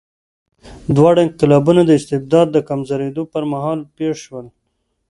دواړه انقلابونه د استبداد د کمزورېدو پر مهال پېښ شول.